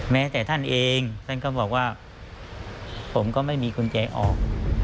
แม้แต่ท่านเองท่านก็บอกว่าผมก็ไม่มีกุญแจออก